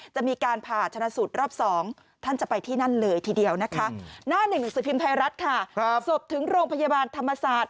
จะมีการผ่าชนะสูตรรอบ๒ท่านจะไปที่นั่นเลยทีเดียวนะคะหน้าหนึ่งหนังสือพิมพ์ไทยรัฐค่ะศพถึงโรงพยาบาลธรรมศาสตร์